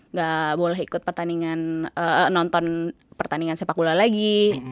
nggak boleh ikut pertandingan nonton pertandingan sepak bola lagi